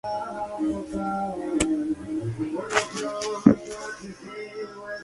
Posteriormente el castillo fue despreciado para prevenir su futuro uso.